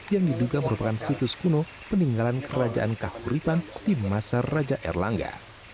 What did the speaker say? yang diduga merupakan situs kuno peninggalan kerajaan kahuripan di masa raja erlangga